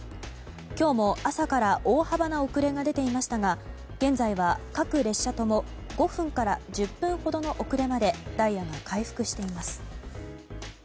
今日も朝から大幅な遅れが出ていましたが現在は、各列車とも５分から１０分ほどの遅れまでダイヤが回復しています。